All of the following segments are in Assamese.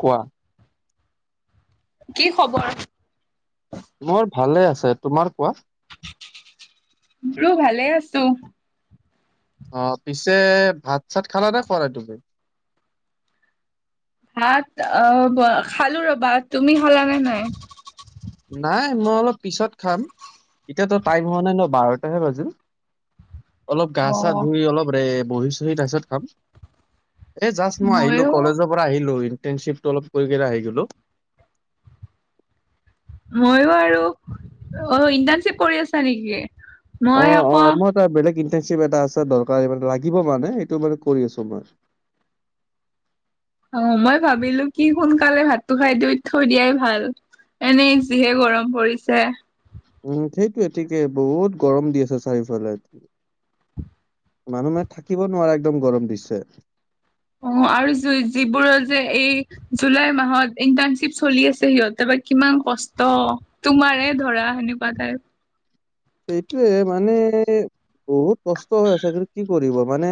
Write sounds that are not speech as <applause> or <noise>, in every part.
কোৱা। কি খবৰ! মোৰ ভালে আছে তোমাৰ কোৱা! মোৰো ভালে আছো অ পিছে ভাত চাত খালা নে খোৱাই তুমি ভাত আহ ব খালো ৰবা তুমি খালানে নাই নাই মই অলপ পিছত খাম এতিয়াতো টাইম হোৱা নাই ন বাৰটাহে বাজি অলপ গা চা অ' ধুই অলপ ৰে বহি চহি তাৰপিছত খাম এ জাষ্ট মই আহিলো ময়ো কলেজৰ পৰা আহিলো টেনচিফটো অলপ কৰিবিনে আহি গলো। মইও আৰু ইন্টাৰ্ণাশ্বি কৰি আছা নেকি। অ মই অ আকৌ মই তাৰ বেলেগ ক। মানে সটো মানে কৰি আছো মই। অ মই ভাবিলো কি সোনকালে ভাতটো খাই দি থৈ দিয়াই ভাল। এনেই যিহে গৰম পৰিছে। উম ঠিকে ঠিকে বহুত গৰম দি আছে চাৰিওফালে। মানুহ মে থাকিব নোৱাৰে একদম গৰম দিছে। অ। যিবোৰৰ যে এই জুলাই মাহত ইন্টাৰণশ্বিপ চলি আছে সিহঁত বা কিমান। কষ্ট তোমাৰে ধৰা সেনেকুৱা ঠাইপ। সেইটোৱে মানে বহুত কষ্ট হৈ আছে কিন্তু কি কৰিব মানে।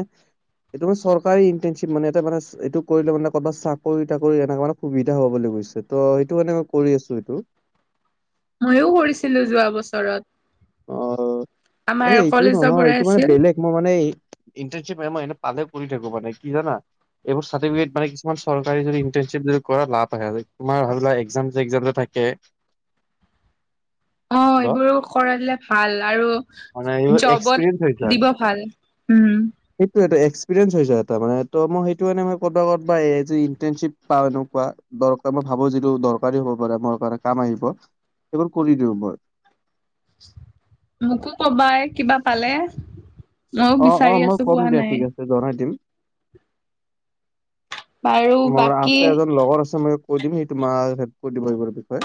এইটো মানে চৰকাৰিৰ ইন্টেচিম মানে এ মানে এইটো কৰিলে মানে'বাত চাকৰি তাকৰি এনে মানে সুবিধা হ'ব লাগিব। ত, সেইটো মানে মই কৰি আছোঁ এইটো',। ময়ো কৰিছিলোঁ যোৱা বছৰত,। অ', এ, আমাৰ এইটো কলেজৰ নহয় পৰাই এইটো মানে আছিল। বেলেগ মই মানে। ইণ্টাৰ্নশ্বিপ ম, মই এনে পালে কৰি থাকো মানে কি জানা,। এইবোৰ চাৰ্টিফিকেট মানে কিছুমান চৰকাৰী যদি ইণ্টাৰ্নশ্বিপ যদি কৰা লাভ আহে, তোমাৰ ভাবিলা এক্সাম চেক্সাম যে থাকে,। তাকে',। <unintelligible> অ', এইবোৰ কৰালে। ভাল আৰু মানে এইবোৰ জবত এক্সপিৰিয়েঞ্চ হৈ দিব ভাল উম', অ', এটা এক্সপিৰিয়েন্স হয় যাই তাৰমানে তই মই সেইটোৰ কাৰণে ক'ৰবাত ক'ৰবাত এ যে ইণ্টাৰ্নশ্বিপ পাই ন এনেকুৱা, দৰকাৰ, মই ভাবোঁ যিটো দৰকাৰী হ'ব পাৰে মোৰ কাৰণে কাম আহিব সেইবোৰ কৰি দিওঁ মই', মোকো কবাই কিবা পালে? মইও অ', অ', বিচাৰি মই আছোঁ ক'ম পোৱা দিয়া নাই, ঠিক আছে জনাই দিম। বাৰু মোৰ বাকী আছে, এজন লগৰ আছে মোৰ কৈ দিম হে তোমাক, হেল্প কৰি দিব এইবোৰ বিষয়ে,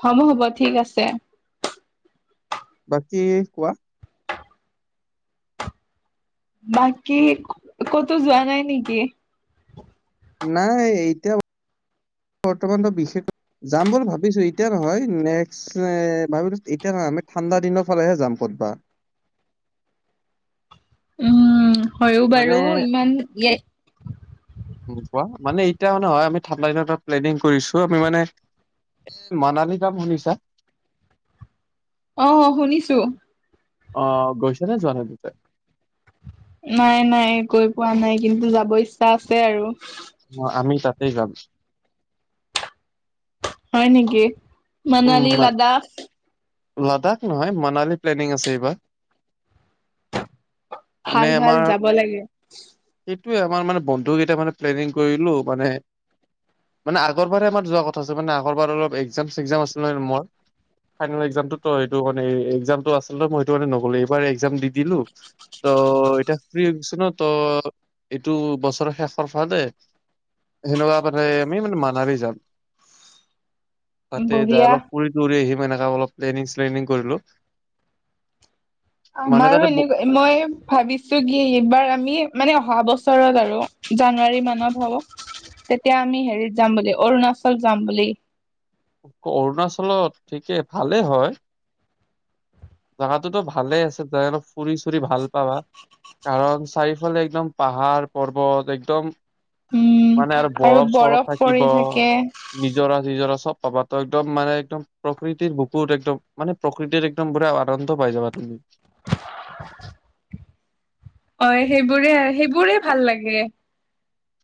হ'ব হ'ব ঠিক আছে', বাকী কোৱা? বাকী ক'তো যোৱা নাই নেকি? নাই, এতিয়া বৰ্তমানত বিশেষ, যাম বুলি ভাবিছোঁ, এতিয়া নহয় নেক্সট, এ ভাবিলোঁ এতিয়া নহয় আমি ঠাণ্ডা দিনৰ ফালেহে যাম, বা', উম', হয়ও মানে বাৰু ইমান লে', উম, কোৱা মানে এতিয়া নহয়, আমি ঠাণ্ডা দিনত এটা প্লেনিং কৰিছোঁ আমি মানে', এ', মানালী যাম শুনিছা', আহ শুনিছোঁ ', অ', গৈছে নে, যোৱা নাই তাতে? নাই, - নাই গৈ পোৱা নাই কিন্তু যাব ইচ্ছা আছে আৰু, অ', আমি তাতেই যাম', হয় নেকি, মানালী উম, লাডাখ? লাডাখ নহয়, মানালী প্লেনিং আছে এইবাৰ, মানে ভাল, ভাল যাব লাগে। সেইটো এবাৰ মানে বন্ধু কেইটা মানে প্লেনিং কৰিলোঁ মানে মানে আগৰবাৰ আমাৰ যোৱা কথা আছিলে। মানে আগৰবাৰ অলপ এক্সাম চেকজাম আছিল নহয় মোৰ ফাইনেল এক ত, সেইটো কাৰণে মানে এক্সামটো আছিলে। মই সেইটো কাৰণে নগলো এইবাৰ এক্সামটো দি দিলোঁ। ত এতিয়া ফ্ৰী হৈ গৈছোঁ ন, ত এইটো বছৰৰ শেষৰ ফালে হেনেকুৱা <unintelligible> যে আমি মানে মানালী যাম। তাতে যাই বঢ়িয়া অলপ ফুৰি তুৰি আহিম এনেকে অলপ প্লেনিং চ্লেনিং কৰিলোঁ', আমাৰো এনেকুৱা, মই ভাবিছোঁ কি এইবাৰ আমি', মানে অহা বছৰত আৰু জানুৱাৰী মানত হ'ব', তেতিয়া আমি হেৰিত যাম বুলি, অৰুণাচল যাম বুলি', অৰুণাচলত, ঠিকেই ভালেই হয়', জাগাটোতো ভালে আছে যাই আৰু ফুৰি চুৰি ভাল পাবা', কাৰণ চাৰিওফালে একদম পাহাৰ পৰ্বত একদম', উম মানে আৰু বৰফ চৰফ থাকিব, নিজৰা চিজৰা চব', পবা, ত একদম মানে একদম প্ৰকৃতিৰ বুকুত একদম মানে প্ৰকৃতিৰ একদম পুৰা', আনন্দ পায় যাবা তুমি', হয়', হয়', সেইবোৰে, সেইবোৰে ভাল লাগে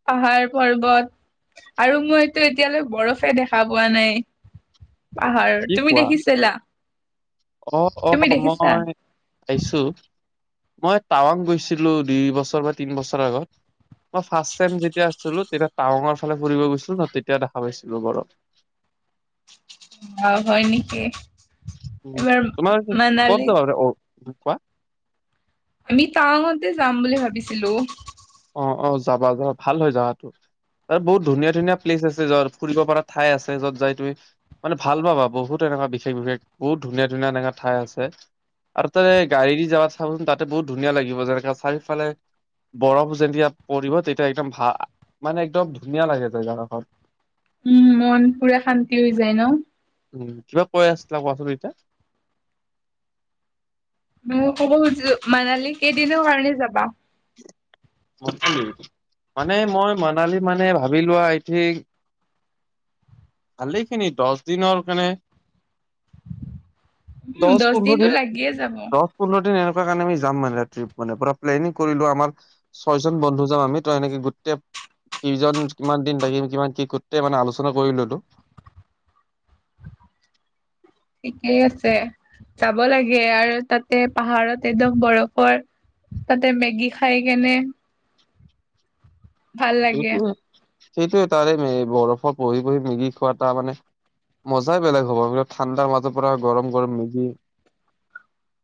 পাহাৰ পৰ্বত', আৰু মইতো এতিয়ালৈ বৰফে দেখা পোৱা নাই', পাহাৰ কি তুমি কোৱা? দেখিছিলা? অ অ তুমি দেখিছা মই আইছো। মই টাৱাং গৈছিলো দুই বছৰ বা তিন বছৰ আগত। মই ফাচটাইম যেতিয়া আছিলো তেতা- টাৱঙৰ ফালে ফুৰিব গৈছিলো ন তেতিয়া দেখা পাইছিলো গৰব। অ হয় নিকি। উ তোমাৰ কত যাবাৰে অ পোপা। আমি টাৱঙতে যাম বুলি ভাবিছিলো। অ-অ যাবা, যাবা। ভাল হয় যাৱাটো। আৰে বহুত ধুনীয়া ধুনীয়া প্লেইচ আছে। যৰ ফুৰিব পৰা ঠাই আছে। যত যাই তুই মানে ভাল পাবা বহুতে অ বিশেষ বিশেষ বহুত ধুনীয়া ধুনীয়া এনেকা ঠাই আছে। আৰু তাতে গাড়ীদি যাবা চাবাচোন তাতে বহুত ধুনীয়া লাগিব। যেনেকা চাৰিওফালে বৰফ যেতিয়া পঢ়িবা তেতিয়া একদম ভা মানে একদম ধুনীয়া লাগে জেগা দখৰ। উম, মন পুৰা শান্তি হৈ যায় ন। উম, কিবা কৈ আছিলা কোৱাচোন এইতা। মও ক'ব খুজিছো মানালী কেইদিনৰ কাৰণে যাবা? <unintelligible> মানে মই মনালী মানে ভাবি লোৱা এই ঠিক ভালেইখিনি দছ দিনৰ কাৰণে। উম দছ, দহ পন্ধৰ দিনটো দিন, লাগিয়ে যাব দছ পন্ধৰ দিন এনে কিবা কাৰণে আমি যাম মানে, ট্ৰিপ মানে পুৰা প্লেনিং কৰিলো আমাৰ ছয়জন বন্ধু যাম আমি। ত' এনেকে গোটেই কেই, কিমান দিন থাকিম, কিমান কি গোটেই মানে আলোচনা কৰি ললো। ঠিকেই আছে। যাব লাগে আৰু তাতে পাহাৰত একদম বৰফৰ তাতে মেগী খাই কেনে ভাল লাগে। সেইটোৱে সেইটোৱে তাৰে মে বৰফত বহি বহি মিগী খোৱা তাৰমানে মজাই বেলেগ হ'ব। সেইবিলাক ঠাণ্ডা মাজৰ পৰা গৰম গৰম মেগী <inaudible>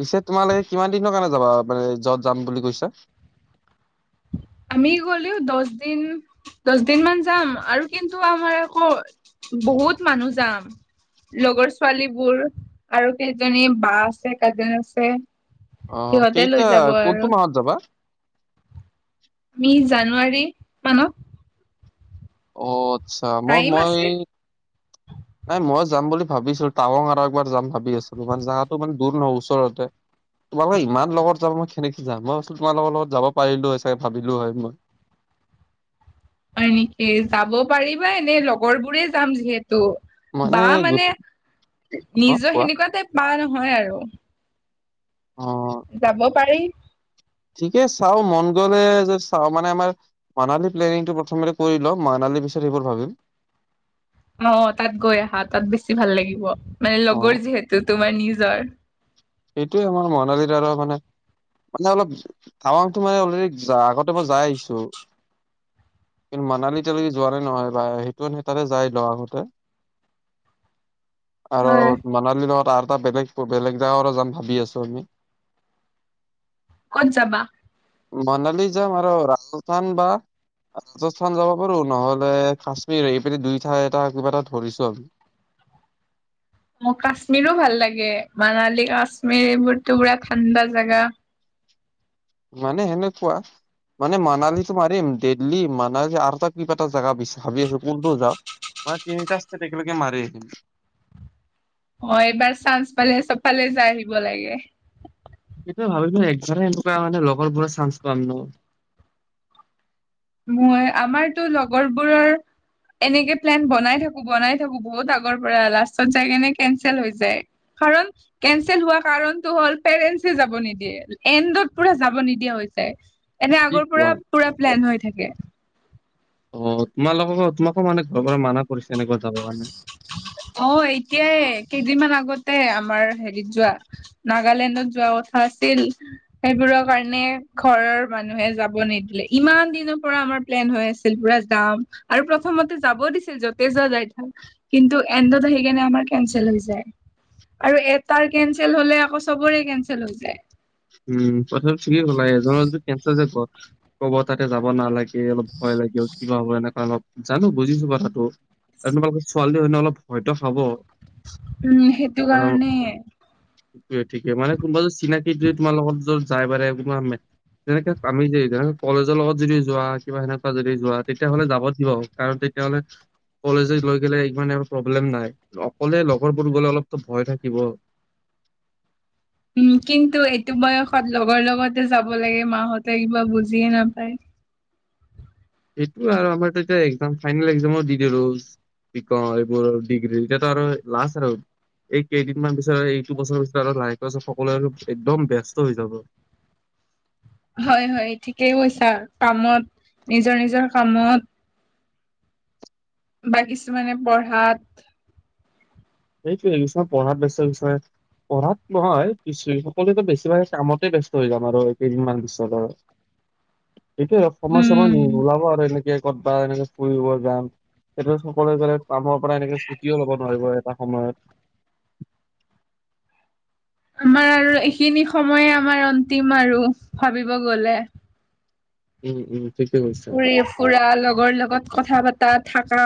পিছে তোমালোকে কিমান দিনৰ কাৰণে যাবা আ মানে যত যাম বুলি কৈছা? <inaudible> আমি গ'লেও দছ দিন দছ দিন মান যাম আৰু কিন্তু আমাৰ আকৌ বহুত মানুহ যাম। লগৰ ছোৱালী বোৰ আৰু কেজনী বা আছে কাজন আছে। অঁহ সিহঁতে লৈ কেইটা যাব কোনটো আৰু মাহত যাবা? মি জানুৱাৰী মানত। অ আচ্ছা মই টাইম মই। আছে নাই মই যাম বুলি ভাবিছো টাৱং আৰু এবাৰ যাম ভাবি আছো মানে জাতো মানে দূৰ নহ ওচৰতে। তোমালোকে ইমান লগত যাব মই কেনেকে যাম মই ভাচু তোমালোকৰ লগত যাব পাৰিলো হয় চায়ে ভাবিলো হয় ম। হয় নিকি? যাব পাৰিবা এনেই লগৰ বোৰেই যাম যিহেতু। তৌ বা মানে অ নিজৰ কোৱা সেনেকুৱা টাইপ বা নহয় আৰু। অ যাব পাৰি। ঠিকে চাও মন গ'লে যে চাও মানে আমাৰ মানালী প্লেনিংটো প্ৰথমতে কৰি লও। মানা কালি পিছত সেইবোৰ ভাবিম। <inaudible> অ, তাত গৈ আহা। তাত বেছি ভাল লাগিব। মানে অ লগৰ যিহেতু তোমাৰ নিজৰ। এইটোৱে আমা মানালী দ্বাৰা মানে মানে অলপ টাৱাংটো মানে অলৰেডি যা আগতে মই যাই আইছো। কিন মানালী এতিয়ালকে যোৱা নাই নহয় বাই। এইটো আমি তাতে যাই লও আগতে। <inaudible> আৰু হয় মানালী লগত আৰটা বেলেগ প বেলেগ জাগাও যাম ভাবি আছো আমি। ক'ত যাবা? মানালী যাম আৰু ৰাজস্থান বা ৰাজস্থান যাব পাৰো, নহলে কাশ্মীৰ এই পিনে দুই ঠাই এটা কিবা এটা ধৰিছো। <inaudible> মোক কাশ্মীৰো ভাল লাগে, মানালী, কাশ্মীৰ এইবোৰতো পুৰা ঠাণ্ডা জাগা। মানে সেনেকুৱা। মানে মানালীতো মাৰিম। দেডলি, মানালী আৰু এটা কিবা এটা জাগা বিচ ভাবি আছো কোনটো যাও। <unintelligible> অ এইবাৰ চাঞ্চপালে চবফালে যাই আহিব লাগে। সেইটোৱে ভাবিলো একবাৰে এনেকুৱা মানে লগৰ বোৰৰ চান্স পাম ন! মই আমাৰতো লগৰবোৰৰ এনেকে প্লেন বনাই থাকো বনাই থাকো বহুত আগৰ পৰা লাষ্টত যাই কেনে কেনচেল হৈ যায়। কাৰণ কেনচেল হোৱা কাৰণটো হ'ল পেৰেন্সে যাব নিদিয়ে এণ্ডত পুৰা যাব নিদিয়া হৈ এনে কি আগৰ কোৱা? পৰা পুৰা প্লেন হৈ থাক অ তোমালোকক তোমাকো মানে ঘৰৰ পৰা মানা কৰিছে? এনেকুৱা যাবৰ কাৰণে। অ এতিয়াই কেইদিনমান আগতে আমাৰ হেৰিয়ে যোৱা নাগালেণ্ডত যোৱা কথা আছিল, ‌ সেইবোৰৰ কাৰনে ঘৰ থৰ মানুহে যাব নিদিলে, ইমান দিনৰ পৰা আমাৰ প্লেন হৈ আছিল পুৰা যাম আৰু প্ৰথমতে যাব দিছিল য'তে যোৱা যায় যাই থাক, ‌কিন্তু এণ্ডত আহি কেনে আমাৰ কেনচেল হৈ যায়। আৰু এটাৰ কেনচেল হলে আকৌ চবৰে কেনচেল হৈ যায়। উম কথাটো ঠিকে কলা এজনৰ যদি কেনচেল হৈ যাই গত, ক'ব তাতে যাব নালাগে। গে অলপ ভয় লাগে কিবা হ'ব এনেকা অলপ। জানো বুজিছো কথাটো কাৰণ তোমালোকে ছোৱালী হয় ন অলপ ভয়তো খাব। উম, সেইটো কাৰণ কাৰণে। ঠিকে ঠিক মানে কোনবা যদি চিনাকিত যদ তোমাৰ লগত যদ যাই বাৰে তেনেকে আমি যে কলেজৰ লগত যদি যোৱা কিবা সেনেকা যদি যোৱা তেতিয়া হ'লে যাব দিব কাৰণ তেত‌ তেতিয়াহলে কলেজে লৈ গলে ইমান আৰ প্ৰব্লেম নাই অকলে লগৰবোৰ গ'লে অলপতো ভয় থাকিব। <inaudible> উম, কিন্তু এইটো বয়সত লগৰ লগতে যাব লাগে মাহতে কিবা বুজিয়ে নাপায়। সেইটো আৰু আমাৰ তো এতিয়া একজাম ফাইনেল একজামো দি দিলো। কি কও এইবোৰ আৰু ডিগ্ৰী এতিয়াতো আৰু লাষ্ট আৰু। এই কেইদিনমান পিছত আৰু এইটো বছৰৰ পিছত আৰু লাহেকে সকলোৱে আৰু একদম ব্যস্ত হৈ যাব। <inaudible> হয় হয় ঠিকেই কৈছা কামত নিজৰ নিজৰ কামত বা কিছুমানে পঢ়াত সেইটোৱে কিছুমান পঢ়াত ব্যস্ত কিছুমানে পঢ়াত নহয় পছ সকলোৱো বেছিভাগে কামতে ব্যস্ত হৈ যাম আৰ' এই কেইদিনমান পিছত আৰ'। <inaudible> এইটোৱে সময় চময় নো উম - নোলাব আৰু এনেকে ক'তবা এনেকে ফুৰিব যাম সেইটো সকলোৱে কামৰ পৰা এনেকে ছুটিও ল'ব নোৱাৰিব এটা সময়ত। আমাৰ আৰু এইখিনি সময়ে আমাৰ অন্তিম আৰু ভাবিব গলে। উম উম। ঠিকে কৈছা ফুৰি ফুৰা লগৰ লগত কথা পতা থাকা।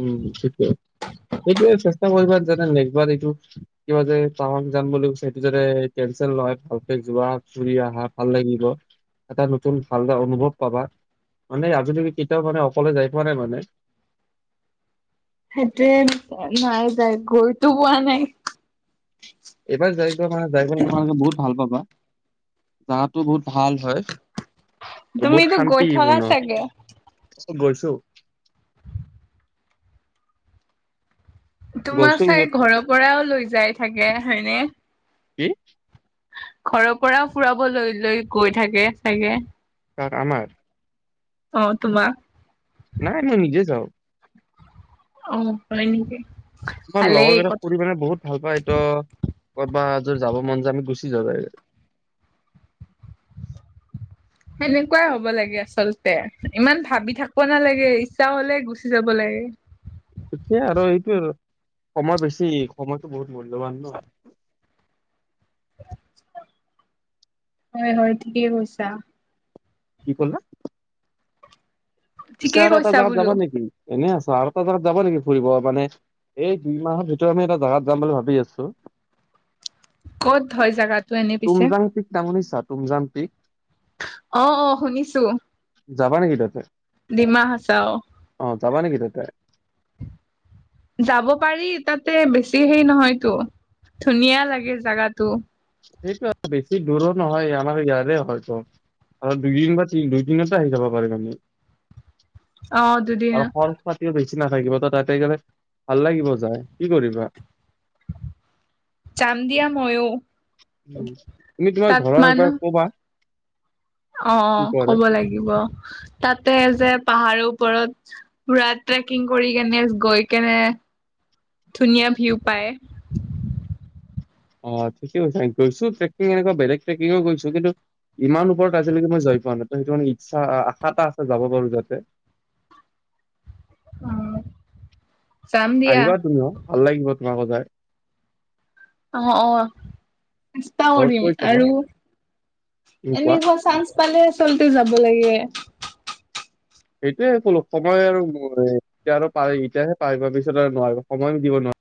উম সেইটোৱে। সেইটোৱে চেষ্টা কৰিবা যাতে এইটো কিবা যে টাৱাং যাম বুলি কৈছা সেইটো যাতে কেন চেল নহয় ভালকে যোৱা ফুৰি আহা ভাল লাগিব। এটা নতুন ভাল এটা অনুভৱ পাবা। মানে আজি লাগি কেতিয়াও মানে অকলে যাই পোৱা নাই মানে। সেইটোৱে নাই যাই গৈতো পোৱা নাই। এইবাৰ যাই পোৱা মানে যাই গ তোমালোকে বহুত ভাল পাবা যটো বহুত ভাল হয়। বহুত তুমিতো গৈ থকা শান্তিপূৰ্ণ। চাগে গৈছো। তোমাক গৈছো চাই য'ত ঘৰৰ পৰাও লৈ যায় থাকে হয়নে সিহ ঘৰৰ পৰা ফুৰাবলৈ লৈ গৈ থাকে চাগে তাক আমাৰ অ তোমাক নাই নাই নিজে যাওঁ। অ প নেকি। তোমাৰ ভালেই লগৰ কেইটা কথা ফুৰি মানে বহুত ভাল পায় ত কত'বা যাব মন যা আমি গুচি যওঁ। ঠিক। সেনেকুৱাই হব লাগে আচলতে ইমান ভাবি থাকিব নালাগে ইচ্ছা হলে গুচি যাব লাগে। ঠিকে আৰু এইটো সময় বেছি সময়তটো বহুত মূল্যবান ন। তুত। হয় হয় ঠিকেই কৈছা। কি কলা। পিছে ঠিকেই আৰু এটা কৈছা জাগাত যাব বোলো নেকি এনেই আছ আৰু এটা জাগাত যাবা নেকি ফুৰিব মানে- এই দুই মাহৰ ভিতৰত আমি এটা জাগাত যাম বুলি ভাবি আছো। ক'ত হয় জাগাটো এনে পিছে- তুমজান পিক। অ অ শুনিছো। যাবা নেকি তাতে ডিমা হাচাও অ যাবা নেকি তাতে যাব পাৰি তাতে বেছি হেৰি নহয়তো ধুনীয়া লাগে জাগাটো সেইটো আৰু বেছি দূৰত নহয় আমাৰ ইয়াৰে হয়তো। আৰু দুইদিন বা তি দুই দিনতে আহি যাব পাৰে মানে অ দুদিন আৰু খৰচ পাতিও বেছি কি নাথাকিব তই তাতে গলে সেই কাৰণে ভাল লাগিব যায় কি কৰিবা যাম দিয়া ময়ো। উ তুমি তোমাৰ তাত ঘৰৰ এবাৰ মানুহ কবা। অ কি কৰে ক'ব লাগিব তাতে যে। পাহাৰৰ ওপৰত পুৰা ট্ৰেকিং কৰি কেনে গৈ কেনে। ধুনীয়া ভিউ পায়। অ ঠিকে গৈছো ট্ৰেকিং এনেকুৱা বেলেগ ট্ৰেকিঙও গৈছো কিন্তু ইমান ওপৰত আজিলৈক মই জোৱা পোৱা নাই সেইটো মানে ইচ্ছা আশা এটা আছে যাব পাৰো যাতে উ আহিবা তুমি অ ভাল লাগিব তোমাৰ সজাই অ অ ইষ্টা ঘৰত কৰিম কৈ চাবা আৰু তুমি কোৱা এনেকুৱা চান্নছ পালে আচলতে যাব লাগে। সেইটোয়ে কলো সময় আৰু এতিয়া আৰু পাৰে এতিয়াহে পাৰে পিছত আৰু নোৱাৰ সময়ো দিব নোৱাৰাৰে